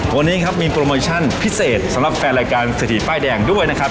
วันนี้ครับมีโปรโมชั่นพิเศษสำหรับแฟนรายการเศรษฐีป้ายแดงด้วยนะครับ